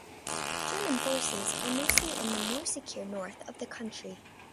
German forces are mostly in the more secure north of the country.